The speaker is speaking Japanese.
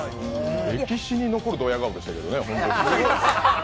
歴史に残るどや顔でしたけどね。